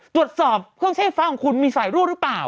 ตรวจสอบเครื่องใช้ไฟฟ้าของคุณมีสายรั่วหรือเปล่า